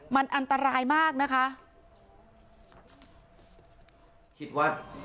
มันอันตรายมากนะคะ